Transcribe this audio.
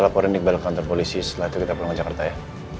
kita laporin di kepala kontor polisi setelah itu kita pulang ke jakarta ya